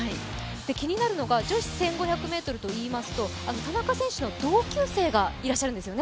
気になるのが女子１５００ｍといいますと田中選手の同級生がいらっしゃるんですよね。